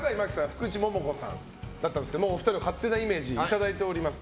福地桃子さんだったんですがお二人の勝手なイメージいただいております。